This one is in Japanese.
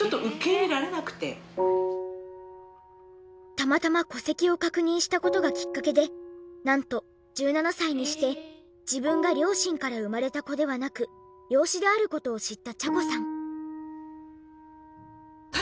たまたま戸籍を確認した事がきっかけでなんと１７歳にして自分が両親から生まれた子ではなく養子である事を知った茶子さん。